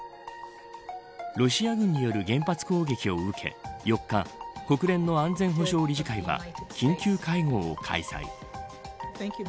ロシア軍による原発攻撃を受け４日国連の安全保障理事会は緊急会合を開催。